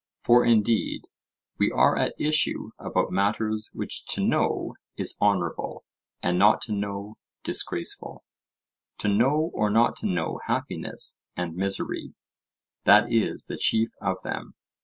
For, indeed, we are at issue about matters which to know is honourable and not to know disgraceful; to know or not to know happiness and misery—that is the chief of them.